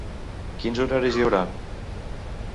Quins horaris hi haurà?